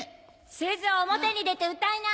すず表に出て歌いな！